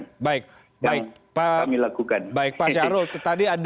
yang kami lakukan